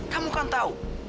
kamu kan tahu